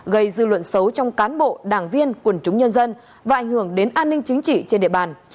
gây dư luận xấu trong cán bộ đảng viên quần chúng nhân dân và ảnh hưởng đến an ninh chính trị trên địa bàn